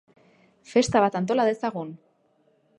Festa bat antola dezagun!